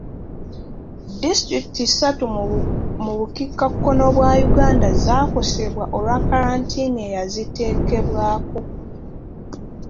Disitulikiti ssatu mu bukiikakkono bwa Uganda zaakosebwa olwa kalantiini eyaziteekebwako.